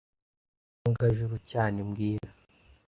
Wanga Juru cyane mbwira